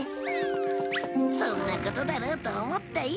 そんなことだろうと思ったよ。